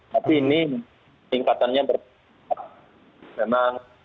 tapi ini tingkatannya berkembang